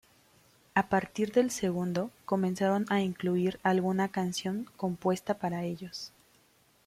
A partir del segundo, comenzaron a incluir alguna canción compuesta para ellos.